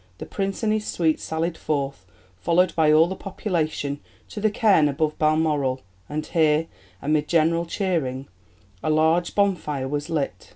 The Prince and his suite sallied forth, followed by all the population, to the cairn above Balmoral, and here, amid general cheering, a large bonfire was lit.